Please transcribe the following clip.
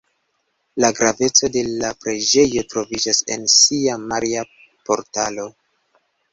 La graveco de la preĝejo troviĝas en sia „Maria-Portalo“.